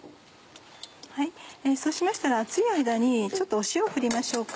そうしましたら熱い間にちょっと塩を振りましょうか。